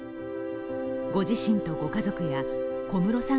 ご自身とご家族や小室さん